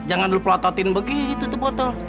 jangan lo pelototin begitu tepotol